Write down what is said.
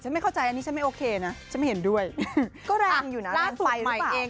ไม่เข้าใจอันนี้ฉันไม่โอเคนะฉันไม่เห็นด้วยก็แรงอยู่นะร่างใหม่เอง